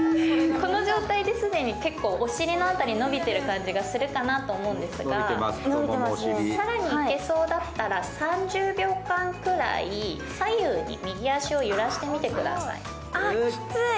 この状態で既に結構お尻の辺りが伸びてる感じがすると思いますが更にいけそうだったら３０秒間ぐらい左右に右足を揺らしてみてください。